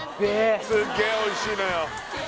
すっげえおいしいのよ